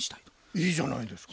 いいじゃないですか。